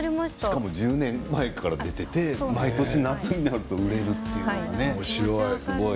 しかも１０年前から出ていて、毎年夏になるとおもしろい。